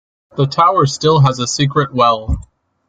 The tower still has a secret well.